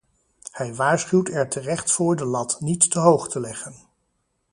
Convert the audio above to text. Hij waarschuwt er terecht voor de lat niet te hoog te leggen.